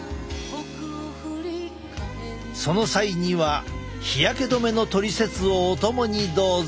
その際には日焼け止めのトリセツをお供にどうぞ。